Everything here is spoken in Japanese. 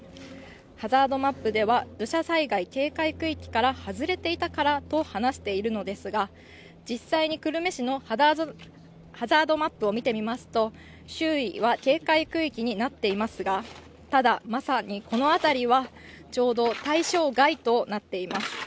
ハザードマップでは土砂災害警戒区域から外れていたからと話しているのですが、実際に久留米市のハザードマップを見てみますと周囲は警戒区域になっていますがただ、まさにこの辺りはちょうど対象外となっています。